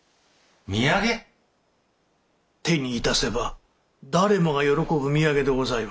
手に致せば誰もが喜ぶ土産でございます。